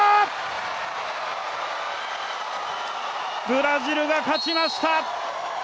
ブラジルが勝ちました。